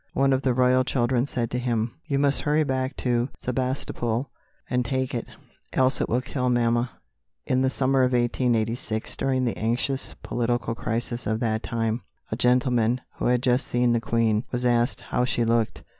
One of the royal children said to him, "You must hurry back to Sebastopol and take it, else it will kill mamma!" In the summer of 1886, during the anxious political crisis of that time, a gentleman, who had just seen the Queen, was asked how she looked.